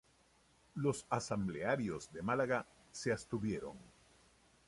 Los asamblearios de Málaga se abstuvieron.